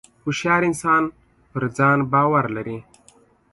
• هوښیار انسان پر ځان باور لري.